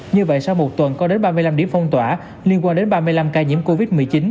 như vậy sau một tuần có đến ba mươi năm điểm phong tỏa liên quan đến ba mươi năm ca nhiễm covid một mươi chín